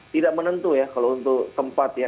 tidak menentu ya kalau untuk tempat ya